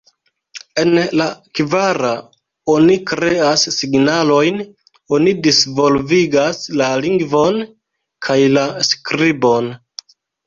En la kvara oni kreas signalojn, oni disvolvigas la lingvon kaj la skribon.